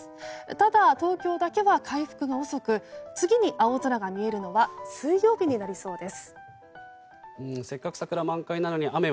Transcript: ただ、東京だけは回復が遅く次に青空が見えるのは水曜日になりそうです。